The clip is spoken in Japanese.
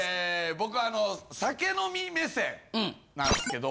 僕はあの酒飲み目線なんですけど。